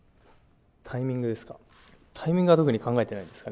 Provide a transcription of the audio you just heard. タイミングですか？